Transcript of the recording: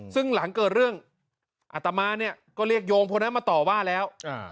ซึ่งหลังเกิดเรื่องอัตมาเนี่ยก็เรียกโยมคนนั้นมาต่อว่าแล้ว